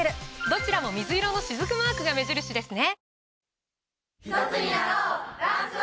どちらも水色のしずくマークが目印ですね！